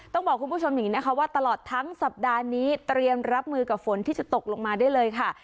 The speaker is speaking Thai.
ต้องบอกคุณผู้ชมอย่างนี้นะคะว่าตลอดทั้งสัปดาห์นี้เตรียมรับมือกับฝนที่จะตกลงมาได้เลยค่ะ